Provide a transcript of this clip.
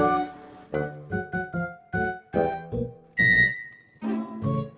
kita udah berdua ga